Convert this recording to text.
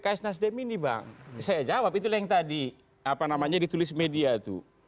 pak s nasdem ini bang saya jawab itu yang tadi ditulis media itu